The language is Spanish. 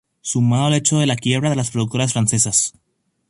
Sumado al hecho de la quiebra de las productoras francesas.